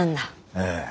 ええ。